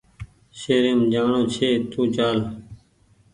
شهريم جاڻو ڇي تو چال